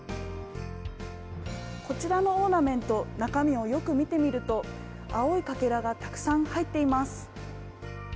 こちらのオーナメント、中身をよく見てみると、青いかけらがたくさん入っています。